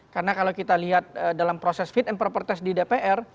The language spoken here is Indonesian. karena kalau kita lihat dalam proses fit and proper test di dpr